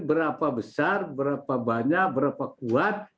berapa besar berapa banyak berapa kuat